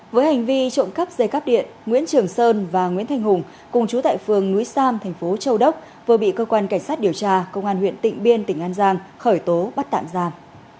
với hành vi trộm cắp dây cắp điện nguyễn trường sơn và nguyễn thanh hùng cùng chú tại phường núi sam thành phố châu đốc vừa bị cơ quan cảnh sát điều tra công an huyện tịnh biên tỉnh an giang khởi tố bắt tạm giam